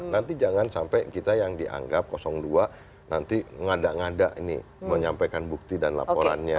nanti jangan sampai kita yang dianggap dua nanti ngada ngada ini menyampaikan bukti dan laporannya